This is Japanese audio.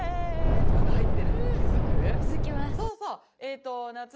気付きます。